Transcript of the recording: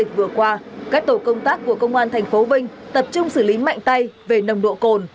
các tổ công tác của công an tp vinh tập trung xử lý mạnh tay về nồng độ cồn